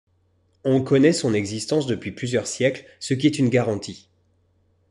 On connaît son existence depuis plusieurs siècles, ce qui est une garantie.